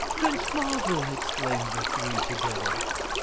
"Prince Marvel!" exclaimed the three, together.